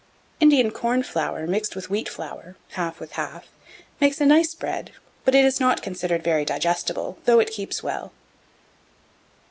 1686. Indian corn flour mixed with wheat flour (half with half) makes a nice bread; but it is not considered very digestible, though it keeps well.